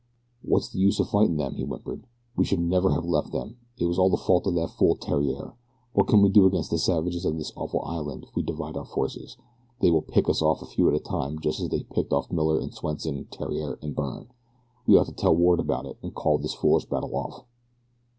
"What's the use of fighting them?" he whimpered. "We should never have left them. It's all the fault of that fool Theriere. What can we do against the savages of this awful island if we divide our forces? They will pick us off a few at a time just as they picked off Miller and Swenson, Theriere and Byrne. We ought to tell Ward about it, and call this foolish battle off."